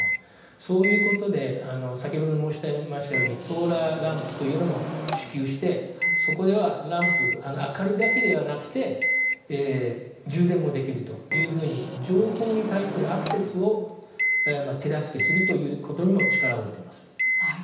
そういうことで先ほど申し上げましたようにソーラーランプというのも支給してそこでランプ明かりだけではなくて充電もできるというふうに情報に対するアクセスを手助けするということにも力を入れています。